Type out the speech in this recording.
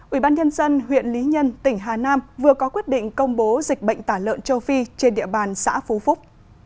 ủy ban nhân dân huyện lý nhân tỉnh hà nam vừa có quyết định công bố dịch bệnh tả lợn châu phi trên địa bàn xã phú phúc